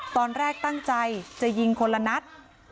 ตอนแรกตั้งใจจะยิงคนละนัด